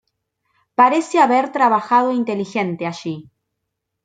Parece haber trabajo inteligente allí.